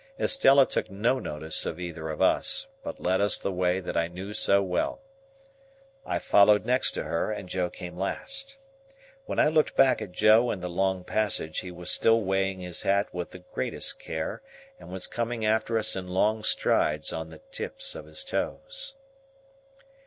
Estella took no notice of either of us, but led us the way that I knew so well. I followed next to her, and Joe came last. When I looked back at Joe in the long passage, he was still weighing his hat with the greatest care, and was coming after us in long strides on the tips of his toes.